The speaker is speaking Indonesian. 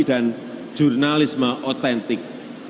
dan jurnalisme otentik